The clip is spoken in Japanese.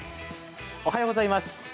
おはようございます。